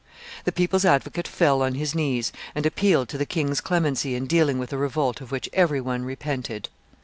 The people's advocate fell on his knees, and appealed to the king's clemency in dealing with a revolt of which every one repented.